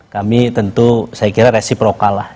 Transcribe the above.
kami tentu saya kira resipro kalah